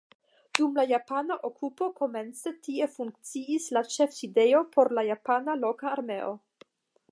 Dum la japana okupo komence tie funkciis la ĉefsidejo por la japana loka armeo.